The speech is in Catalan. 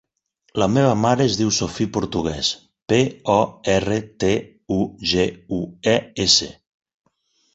La meva mare es diu Sophie Portugues: pe, o, erra, te, u, ge, u, e, essa.